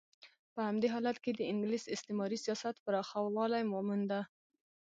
په همدې حالت کې د انګلیس استعماري سیاست پراخوالی مونده.